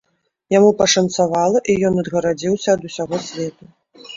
Яму пашанцавала, і ён адгарадзіўся ад усяго свету!